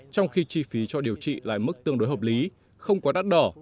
trong khi chi phí cho điều trị lại mức tương đối hợp lý không quá đắt đỏ